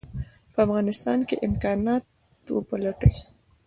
په افغانستان کې امکانات وپلټي.